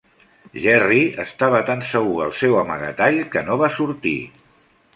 Jerry estava tan segur al seu amagatall que no va sortir.